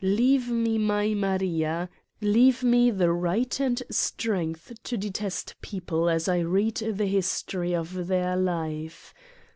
Leave me my Maria, leave me the right and strength to detest people as I read the history of their life.